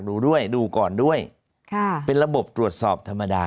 ดูด้วยดูก่อนด้วยค่ะเป็นระบบตรวจสอบธรรมดา